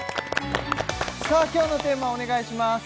さあ今日のテーマお願いします